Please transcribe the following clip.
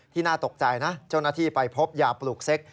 น่าตกใจนะเจ้าหน้าที่ไปพบยาปลูกเซ็ก